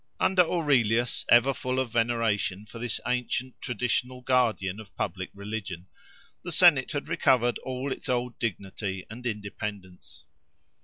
Under Aurelius, ever full of veneration for this ancient traditional guardian of public religion, the Senate had recovered all its old dignity and independence.